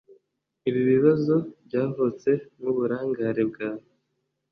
ibi bibazo byavutse nkuburangare bwawe